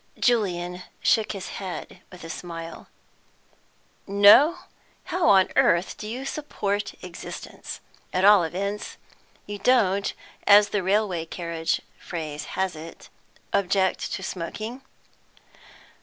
Julian shook his head, with a smile. "No? How on earth do you support existence? At all events, you don't, as the railway carriage phrase has it, object to smoking?"